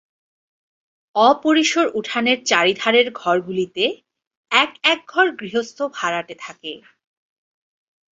অপরিসর উঠানের চারিধারের ঘরগুলিতে এক-একঘর গৃহস্থ ভাড়াটে থাকে।